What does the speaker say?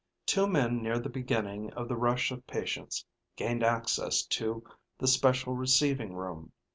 Two men near the beginning of the rush of patients, gained access to the special receiving room.